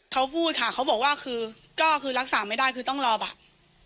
เขาพูดค่ะเขาบอกว่าคือก็คือรักษาไม่ได้คือต้องรอบัตร